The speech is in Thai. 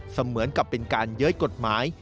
เหมือนกับเป็นการเย้ยกฎหมาย